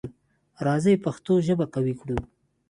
راځی پښتو ژبه قوي کړو.